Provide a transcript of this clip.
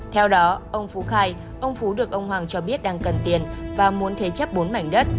theo đó ông phú khai ông phú được ông hoàng cho biết đang cần tiền và muốn thế chấp bốn mảnh đất